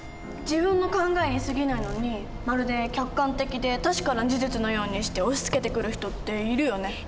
自分の考えにすぎないのにまるで客観的で確かな事実のようにして押しつけてくる人っているよね。